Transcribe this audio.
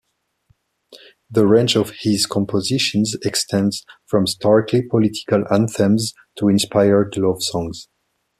The range of his compositions extends from starkly political anthems to inspired love songs.